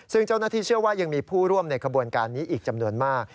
ซึ่งเจ้าหน้าที่เชื่อว่ายังมีผู้ร่วมในขบวนการนี้อีกจำนวนมาก